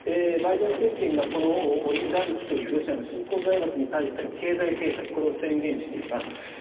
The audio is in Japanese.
バイデン政権がこのオリガルヒというロシアの新興財閥に対して経済制裁を宣言しています。